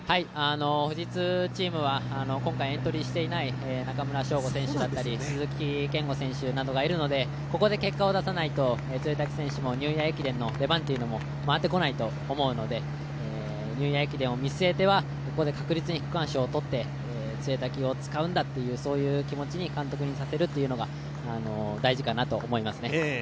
富士通チームは今回エントリーしていない中村翔吾選手だったり、鈴木健吾選手などがいるので、ここで結果を出さないと潰滝選手もニューイヤー駅伝の出番も回ってこないと思うのでニューイヤー駅伝を見据えてここで確実に区間賞を取って潰滝を使うんだという思いを監督にさせるというのが大事かと思いますね。